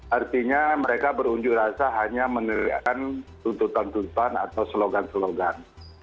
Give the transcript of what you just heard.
artinya mereka berunjuk rasa hanya meneriakan tuntutan tuntutan atau slogan slogan